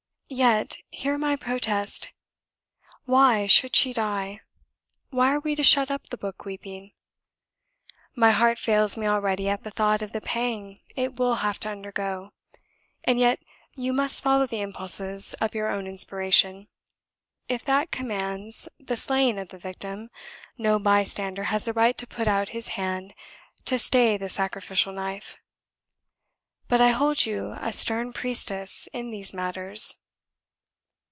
"Yet hear my protest! "Why should she die? Why are we to shut up the book weeping? "My heart fails me already at the thought of the pang it will have to undergo. And yet you must follow the impulse of your own inspiration. If THAT commands the slaying of the victim, no bystander has a right to put out his hand to stay the sacrificial knife: but I hold you a stern priestess in these matters."